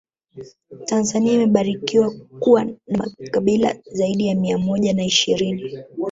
tanzania imebarikiwa kuwa na makabila zaidi ya mia moja na ishirini